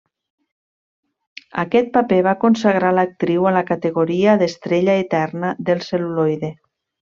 Aquest paper va consagrar l'actriu a la categoria d'estrella eterna del cel·luloide.